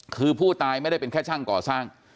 คือผู้ตายไม่ได้เป็นแค่ช่างก่อสร้าง